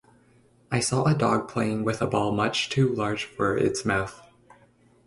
I saw a dog playing with a ball much too large for its mouth.